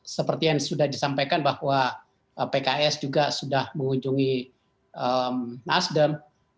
seperti yang sudah disampaikan bahwa pks juga sudah mengunjungi nasdem